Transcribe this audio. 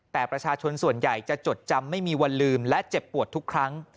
แต่ประชาชนส่วนใหญ่จะจดจำไม่มีวันลืมและเจ็บปวดทุกครั้ง